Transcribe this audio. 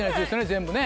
全部ね。